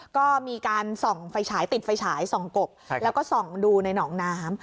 ก็มีการส่องไฟฉายติดไฟฉายส่องกบแล้วก็ส่องดูในหนองน้ำ